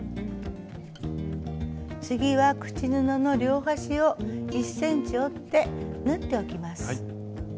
次は口布の両端を１ｃｍ折って縫っておきます。